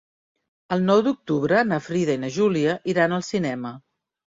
El nou d'octubre na Frida i na Júlia iran al cinema.